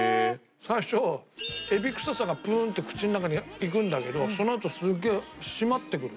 最初エビ臭さがプーンって口の中にいくんだけどそのあとすげえ締まってくる。